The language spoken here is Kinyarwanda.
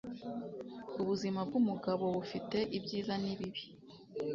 Ubuzima bwumugabo bufite ibyiza n'ibibi.